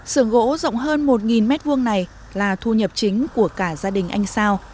sưởng gỗ rộng hơn một m hai này là thu nhập chính của cả gia đình anh sao